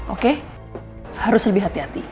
oke harus lebih hati hati